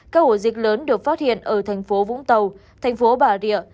các hộ dịch lớn được phát hiện ở tp vũng tàu tp bà rịa